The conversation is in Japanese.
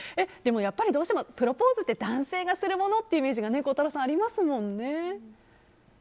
どうしてもプロポーズって男性がするものっていうイメージが孝太郎さん、ありますもんね。